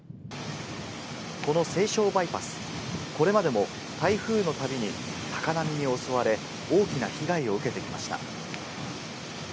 この西湘バイパス、これまでも台風のたびに高波に襲われ、大きな被害を受けてきました。